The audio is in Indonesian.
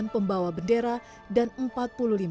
delapan pembawa bendera dan empat puluh lima sepuluh